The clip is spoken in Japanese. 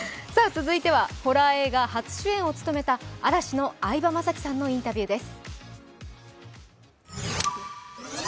続いてはホラー映画初主演を務めた嵐の相葉雅紀さんのインタビューです。